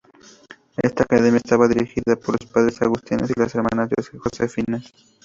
Esta Academia estaba dirigida por los Padres Agustinos y las Hermanas Josefinas.